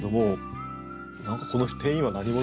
何かこの店員は何者？